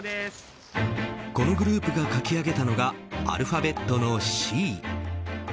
このグループが描き上げたのがアルファベットのＣ。